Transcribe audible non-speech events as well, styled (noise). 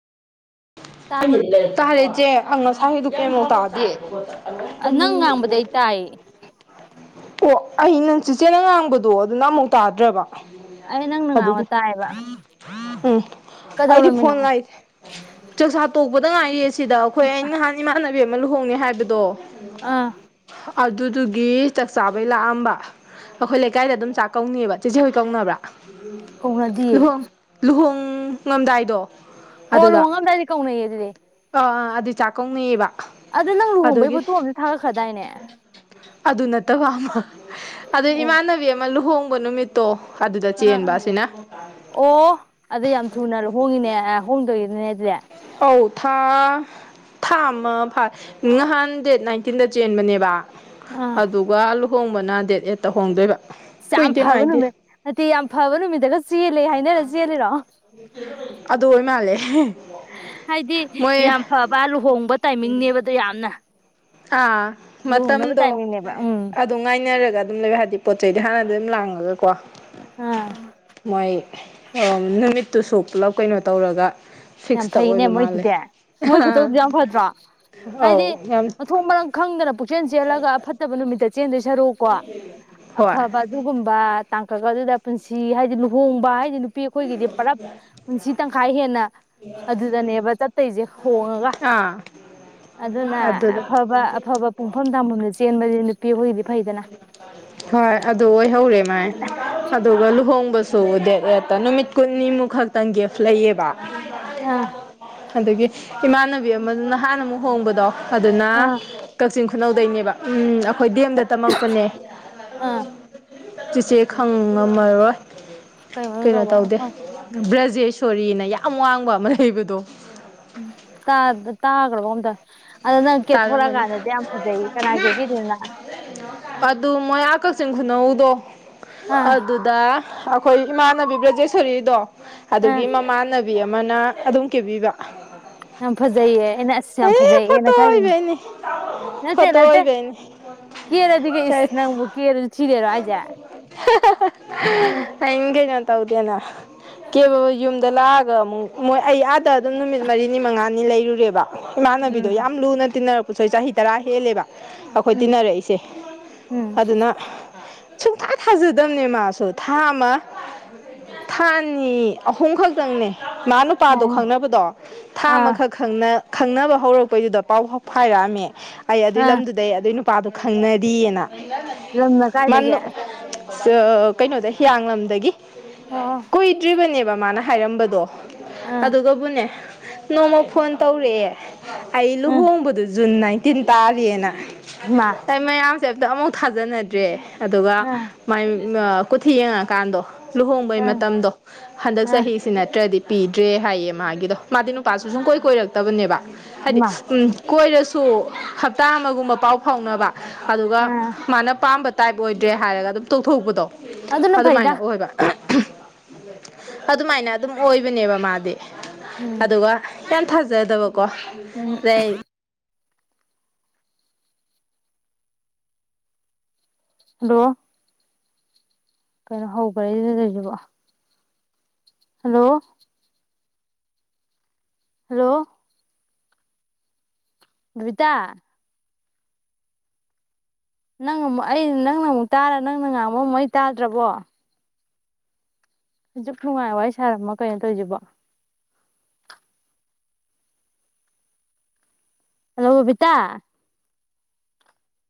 ꯇꯥꯔꯦ ꯏꯆꯦ ꯍꯪ ꯉꯁꯥꯏꯉꯤꯗꯣ ꯀꯩꯝ ꯇꯥꯗꯦ ꯑ ꯅꯪ ꯉꯥꯡꯕꯗꯤ ꯑꯩ (unintelligible) ꯇꯥꯏ ꯑꯣ ꯑꯩꯅ ꯆꯤꯆꯦꯅ ꯉꯥꯡꯕꯗꯣ ꯑꯗꯨꯅ ꯑꯃꯨꯛ ꯇꯥꯗ꯭ꯔꯦꯕ ꯑꯩ ꯅꯪꯅ ꯉꯥꯡꯕ ꯇꯥꯌꯦꯕ ꯑꯝ ꯑꯩꯒꯤ ꯐꯣꯟ ꯂꯥꯏꯠ ꯆꯥꯛꯆꯥꯥ ꯇꯣꯛꯄꯥꯗ ꯉꯥꯏꯔꯤꯌꯦ ꯁꯤꯗ ꯑꯩꯈꯣꯏ ꯑꯩ ꯅꯍꯟ ꯏꯃꯥꯟꯅꯕꯤ ꯑꯃꯥ ꯂꯨꯍꯣꯡꯅꯤ ꯍꯥꯏꯕꯗꯣ ꯑꯥ ꯑꯗꯨꯗꯨꯒꯤ ꯆꯥꯛ ꯆꯥꯕꯩ ꯂꯥꯛꯑꯝꯕ ꯑꯩꯈꯣꯏ ꯂꯩꯀꯥꯏꯗ ꯑꯗꯨꯝ ꯆꯥꯛ ꯀꯧꯅꯩꯕ ꯆꯤꯆꯦ ꯍꯣꯏ ꯀꯧꯅꯕ꯭ꯔꯥ ꯀꯧꯅꯗꯤꯌꯦ ꯂꯨꯍꯣꯡ ꯂꯨꯍꯣꯡꯉꯝꯗꯥꯏꯗꯣ ꯑꯣ ꯑꯗꯨꯗ ꯂꯨꯍꯣꯡꯉꯝꯗꯥꯏꯗ ꯀꯧꯅꯩꯌꯦ ꯑꯗꯨꯗꯤ ꯑꯥ ꯑꯗꯨ ꯆꯥꯛꯀꯧꯅꯩꯌꯦꯕ ꯑꯗꯨ ꯅꯪ ꯂꯨꯍꯣꯡꯕꯩ ꯐꯣꯇꯣ ꯑꯃꯗꯤ ꯊꯥꯒꯠꯈ꯭ꯔꯗꯥꯏꯅꯦ ꯑꯗꯨ ꯅꯠꯇꯕ ꯑꯃ ꯑꯗꯨꯏ ꯑꯣ ꯏꯃꯥꯟꯅꯕꯤ ꯑꯃꯥ ꯂꯨꯍꯣꯡꯕ ꯅꯨꯃꯤꯠ ꯇꯣ ꯑꯗꯨꯗ ꯑꯥ ꯆꯦꯟꯕ ꯑꯥ ꯑꯁꯤꯅ ꯑꯣ ꯑꯗꯨ ꯌꯥꯝ ꯊꯨꯅ ꯂꯨꯍꯣꯡꯉꯤꯅꯦ ꯍꯣꯡꯗꯣꯏꯅꯦ ꯑꯗꯨꯗꯤ ꯑꯧ ꯊꯥ ꯊꯥ ꯑꯃꯥ ꯐꯥꯏ ꯅꯥꯍꯟ ꯗꯦꯠ ꯅꯥꯏꯟꯇꯤꯟꯗ ꯆꯦꯟꯕꯅꯦꯕ ꯑꯥ ꯑꯗꯨꯒ ꯂꯨꯍꯣꯡꯕꯅ ꯗꯦꯠ ꯑꯦꯠꯇ ꯍꯣꯡꯗꯣꯏꯕ ꯌꯥꯝ ꯀꯨꯏꯗꯦ ꯐꯕ ꯃꯥꯏꯗꯤ ꯅꯨꯃꯤꯠ ꯅꯠꯇꯤ ꯌꯥꯝ ꯐꯕ ꯅꯨꯃꯤꯠꯇꯒ ꯆꯦꯜꯂꯦ ꯍꯥꯏꯅꯔ ꯆꯦꯜꯂꯤꯔꯣ ꯑꯗꯨ ꯑꯣꯏ ꯃꯥꯜꯂꯦ ꯍꯥꯏꯗꯤ ꯃꯣꯏ ꯌꯥꯝ ꯐꯕ ꯂꯨꯍꯣꯡꯕ ꯇꯥꯏꯃꯤꯡꯅꯦꯕ ꯗꯨ ꯌꯥꯝꯅ ꯑꯥ ꯂꯨꯍꯣꯡꯅꯕ ꯃꯇꯝꯗꯣ ꯇꯥꯏꯃꯤꯡꯅꯦꯕ ꯎꯝ ꯑꯗꯨ ꯉꯥꯏꯅꯔꯒ ꯑꯗꯨꯝ ꯂꯩꯕ ꯍꯥꯏꯗꯤ ꯄꯣꯠ ꯆꯩꯗꯤ ꯍꯥꯟꯅꯗꯤ ꯑꯗꯨꯝ ꯂꯥꯡꯉꯒꯀꯣ ꯑꯥ ꯃꯣꯏ (inaudible) ꯅꯨꯃꯤꯠꯇꯨꯁꯨ ꯄꯨꯂꯞ ꯀꯩꯅꯣ ꯇꯧꯔꯒ ꯌꯥꯝ ꯐꯤꯛꯁꯇ ꯐꯩꯅꯦ ꯑꯣꯏꯕ ꯃꯥꯜꯂꯦ ꯃꯣꯏꯗꯨꯗꯤ ꯃꯣꯏ ꯍꯥ ꯈꯨꯇꯧꯗꯨ ꯌꯥꯝ ꯐꯗ꯭ꯔꯣ ꯑꯧ ꯍꯥꯏꯗꯤ ꯌꯥꯝ ꯃꯊꯣꯡ ꯃꯔꯝ ꯈꯪꯗꯅ ꯄꯨꯛꯆꯦꯜ ꯆꯦꯜꯂꯒ ꯑꯐꯠꯇꯕ ꯅꯨꯃꯤꯠꯇ ꯆꯦꯟꯗꯣꯏ ꯁꯔꯨꯛ ꯀꯣ ꯍꯣꯏ ꯑꯐꯥꯕ ꯑꯗꯨꯒꯨꯝꯕ ꯇꯥꯡꯀꯛ ꯑꯗꯨꯗ ꯄꯨꯟꯁꯤ ꯍꯥꯏꯗꯤ ꯂꯨꯍꯣꯡꯕ ꯍꯥꯏꯗꯤ ꯅꯨꯄꯤ ꯑꯩꯈꯣꯏꯒꯤꯗꯤ ꯄꯨꯂꯞ ꯄꯨꯟꯁꯤ ꯇꯪꯈꯥꯏ ꯍꯦꯟꯅ ꯑꯗꯨꯗꯅꯦꯕ ꯆꯠꯇꯣꯏꯁꯦ ꯂꯨꯍꯣꯡꯉꯒ ꯑꯥ ꯑꯗꯨꯅ ꯑꯗꯨꯗ ꯑꯐꯥꯕ ꯑꯐꯥꯕ ꯄꯨꯡꯐꯝ ꯇꯥꯟꯐꯝꯗ ꯆꯦꯟꯕꯗꯤ ꯅꯨꯄꯤ ꯑꯩꯈꯣꯏꯒꯤꯗꯤ ꯐꯩꯗꯅ ꯍꯣꯏ ꯑꯗꯨ ꯑꯣꯏꯍꯧꯔꯦ ꯃꯥꯏ ꯑꯗꯨꯒ ꯂꯨꯍꯣꯡꯕꯁꯨ ꯗꯦꯠ ꯑꯦꯠꯇ ꯅꯨꯃꯤꯠ ꯀꯨꯟꯅꯤꯃꯨꯛ ꯈꯛꯇꯪ ꯒꯤꯐ ꯂꯩꯌꯦꯕ ꯑꯥ ꯑꯗꯨꯒꯤ ꯏꯃꯥꯟꯅꯕꯤ ꯑꯃ ꯅꯍꯥꯟ ꯑꯃꯨꯛ ꯍꯣꯡꯕꯗꯣ ꯑꯗꯨꯅ ꯑꯥ ꯀꯛ ꯆꯤꯡ ꯈꯨꯅꯧꯗꯩꯅꯦꯕ ꯎꯝ ꯑꯈꯣꯏ ꯗꯦꯝꯗ ꯇꯝꯃꯛꯄꯅꯦ ꯑꯥ ꯆꯦꯆꯦ ꯈꯪꯉꯝꯃꯔꯣꯏ ꯀꯩ ꯃꯃꯤꯡ ꯀꯩꯅꯣ ꯀꯧꯕ ꯇꯧꯗꯦ ꯕ꯭ꯔꯖꯦꯁꯣꯔꯤꯅ ꯌꯥꯝ ꯋꯥꯡꯕ ꯑꯃ ꯂꯩꯕꯗꯣ ꯇꯥ ꯇꯥꯒꯔꯕꯒꯨꯝ ꯇꯧ ꯑꯗ ꯅꯪ ꯇꯥꯔꯝꯃꯅꯤ ꯀꯦꯊꯣꯔꯛꯑꯀꯥꯟꯗꯗꯤ ꯌꯥꯝ ꯐꯖꯩ ꯀꯅꯥ ꯀꯦꯕꯤꯔꯤ ꯅꯣ ꯅ ꯑꯗꯨ ꯃꯣꯏꯌꯥ ꯀꯛꯆꯤꯡ ꯈꯨꯅꯧꯗꯣ ꯑꯥ ꯑꯗꯨ ꯗ ꯑꯈꯣꯏ ꯏꯃꯥꯟꯅꯕꯤ ꯕ꯭ꯔꯖꯦꯁꯣꯔꯤꯗꯣ ꯑꯥ ꯑꯗꯨꯒꯤ ꯃꯃꯥꯟꯅꯕꯤ ꯕꯤ ꯑꯃꯅ ꯑꯗꯨꯝ ꯀꯦꯕꯤꯕ ꯌꯥꯝ ꯐꯖꯩꯌꯦ ꯑꯩꯅ ꯑꯁ ꯌꯥꯝ ꯑꯦ ꯐꯣꯇꯣ ꯐꯖꯩꯌꯦꯅ ꯈꯜꯂꯤꯅꯦ ꯑꯣꯏꯕꯩꯅꯤ ꯐꯣꯇꯣ ꯑꯣꯏꯕꯩꯅꯦ ꯀꯦꯔꯗꯤ ꯏꯁ ꯅꯪꯕꯨ ꯀꯦꯔꯖꯨ ꯊꯤꯗꯣꯏꯔꯣ ꯍꯥꯏꯖꯦ (unintelligible) ꯑꯩꯡ ꯀꯩꯩꯅꯣ ꯇꯧꯗꯦꯅ ꯀꯦꯕ ꯌꯨꯝꯗ ꯂꯥꯛꯑꯒ ꯑꯃꯨꯛ ꯃꯣꯏ ꯑꯩ ꯑ ꯗ ꯑꯗꯨꯝ ꯅꯨꯃꯤꯠ ꯃꯔꯤꯅꯤ ꯃꯉꯥꯅꯤ ꯂꯩꯔꯨꯔꯦꯕ ꯏꯃꯥꯟꯅꯕꯤ ꯎꯝ ꯂꯨꯅ ꯇꯤꯟꯅꯔꯛꯄꯁꯨ ꯑꯩ ꯆꯍꯤ ꯇꯔꯥ ꯍꯦꯜꯂꯦꯕ ꯑꯩꯈꯣꯏ ꯎꯝ ꯇꯤꯟꯅꯔꯛꯏꯁꯦ ꯎꯝ ꯑꯗꯨꯅ ꯁꯨꯡꯊꯥ ꯊꯥꯖꯗꯝꯅꯦ ꯃꯥꯁꯨ ꯊꯥ ꯑꯃ ꯊꯥꯑꯅꯤ ꯑꯍꯨꯝ ꯈꯛꯇꯪꯅꯦ ꯃꯥ ꯂꯨ ꯄꯥꯗꯣ ꯑꯣ ꯈꯪꯅꯕꯗꯣ ꯊꯥ ꯑꯥ ꯑꯃꯈꯛ ꯈꯪꯅ ꯈꯪꯅꯕ ꯍꯧꯔꯛ ꯄꯩꯗꯨꯗ ꯄꯥꯎ ꯐꯥꯎ ꯐꯥꯏꯔꯛꯑꯝꯃꯦ ꯑꯩ ꯑꯗꯨꯏ ꯑꯥ ꯂꯝꯗꯨꯗꯩ ꯑꯗꯨꯏ ꯅꯨꯄꯥꯗꯨ ꯈꯪꯅꯔꯤꯅ꯫ ꯂꯝꯅ ꯀꯥꯏꯗꯒꯤ ꯃꯥꯅꯨ ꯁ ꯀꯩꯅꯣꯗꯩ ꯍꯤꯌꯥꯡꯂꯝꯗꯒꯤ꯫ ꯑꯣ ꯀꯨꯏꯗ꯭ꯔꯤꯕꯅꯦꯕ ꯃꯥꯅ ꯍꯥꯏꯔꯝꯕꯗꯣ ꯎꯝ ꯑꯗꯨꯒꯕꯨꯅꯦ꯫ ꯅꯣꯡꯃ ꯐꯣꯟ ꯇꯧꯔꯛꯑꯦ ꯑꯩ ꯎꯝ ꯂꯨꯍꯣꯡꯕꯗꯣ ꯖꯨꯟ ꯅꯥꯏꯟꯇꯤꯟ ꯇꯥꯔꯦꯅ꯫ ꯏꯃꯥ ꯑꯩ ꯃꯌꯥꯝꯁꯦ ꯑꯝꯇ ꯑꯝꯐꯥꯎ ꯊꯥꯖꯅꯗ꯭ꯔꯦ ꯑꯗꯨꯒ ꯑꯥ ꯃꯥꯏ ꯃꯥ ꯀꯨꯊꯤ ꯌꯦꯡꯉꯛꯀꯥꯟꯗꯣ ꯂꯨꯍꯣꯡꯕꯩ ꯑꯥ ꯃꯇꯝꯗꯣ ꯍꯟꯗꯛ ꯑꯥ ꯆꯍꯤ ꯁꯤ ꯅꯠꯇ꯭ꯔꯗꯤ ꯄꯤꯗ꯭ꯔꯦ ꯍꯥꯏꯌꯦ ꯃꯥꯒꯤꯗꯣ ꯃꯥꯗꯤ ꯅꯨꯄꯥꯁꯨ ꯁꯨꯡ ꯀꯣꯏ ꯀꯣꯏꯔꯛꯇꯕꯅꯦꯕ꯫ ꯍꯥꯏꯗꯤ (unintelligible) ꯎꯝ ꯀꯣꯏꯔꯁꯨ ꯍꯞꯇꯥ ꯑꯃꯒꯨꯝꯕ ꯄꯥꯎ ꯐꯥꯎꯅꯕ ꯑꯗꯨꯒ ꯑꯥ ꯃꯥꯅ ꯄꯥꯝꯕ ꯇꯥꯏꯞ ꯑꯣꯏꯗ꯭ꯔꯦ ꯍꯥꯏꯔꯒ ꯑꯗꯨꯝ ꯇꯣꯛꯊꯣꯛꯄꯗꯣ ꯑꯗꯨꯅ ꯐꯩꯗ ꯑꯗꯨꯃꯥꯏꯅ ꯑꯣꯏꯕ꯫ ꯑꯗꯨꯃꯥꯏꯅ ꯑꯗꯨꯝ ꯑꯣꯏꯕꯅꯦꯕ ꯃꯥꯗꯤ ꯎꯝ ꯑꯗꯨꯒ ꯌꯥꯝ ꯊꯥꯖꯗꯕꯀꯣ ꯎꯝ꯫ ꯑꯗꯩ ꯍꯜꯂꯣ꯫ ꯀꯩꯅꯣ ꯍꯧꯕ꯭ꯔꯦꯗꯇꯣꯏꯁꯤꯕꯣ꯫ ꯍꯜꯂꯣ꯫ ꯍꯜꯂꯣ꯫ ꯕꯕꯤꯇꯥ꯫ ꯅꯪ ꯑꯃꯨꯛ ꯑꯩ ꯅꯪꯅ ꯑꯃꯨꯛ ꯇꯥꯔ ꯅꯪꯅ ꯉꯥꯡꯕ ꯑꯃꯨꯛ ꯑꯩ ꯇꯥꯗ꯭ꯔꯕꯣ? ꯍꯧꯖꯤꯛ ꯅꯨꯡꯉꯥꯏ ꯋꯥꯔꯤ ꯁꯥꯔꯝꯃ ꯀꯩꯅꯣ ꯇꯧꯁꯤꯕꯣ꯫ ꯍꯜꯂꯣ ꯕꯕꯤꯇꯥ꯫